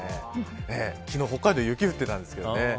昨日、北海道雪降ってたんですけどね。